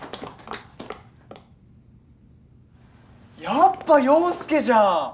やっぱ陽佑じゃん！